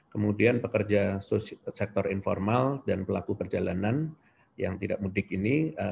kemudian pekerja sektor informal dan pelaku perjalanan yang tidak mudik ini